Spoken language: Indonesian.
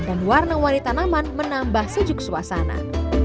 dan warna warni tanaman menambah sejuk suasana